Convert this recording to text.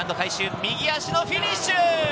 右足のフィニッシュ！